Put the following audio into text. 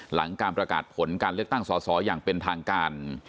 หลังการประกาศผลการเลือกตั้งสอสออย่างเป็นทางการ